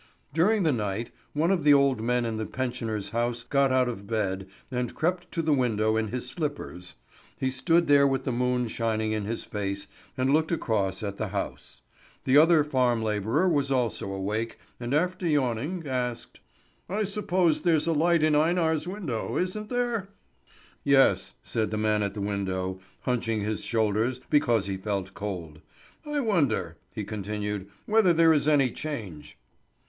During the night, one of the old men in the pensioners' house got out of bed and crept to the window in his slippers. He stood there with the moon shining in his face, and looked across at the house. The other farm labourer was also awake, and after yawning asked: "I suppose there's a light in Einar's window, isn't there?" "Yes," said the man at the window, hunching his shoulders because he felt cold. "I wonder," he continued, "whether there is any change."